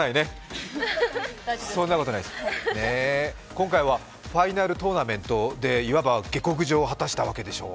今回はファイナルトーナメントでいわば下克上を果たしたわけでしょう。